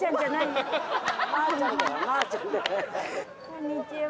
こんにちは。